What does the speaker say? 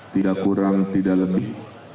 tidak kurang tidak lebih